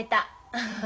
アハハハ。